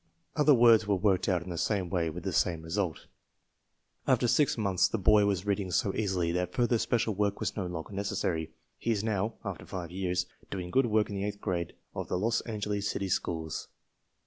Other words were worked out in the same way with the same result. After six months the boy was reading so easily that further special work was no longer necessary. He is now (after five years) doing good work in the eighth grade of the Los Angeles city schools.